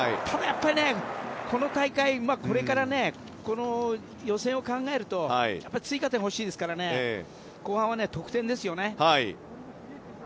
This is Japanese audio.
ただやっぱり、この大会これから、この予選を考えるとやっぱり追加点が欲しいですから後半は得点ですよね。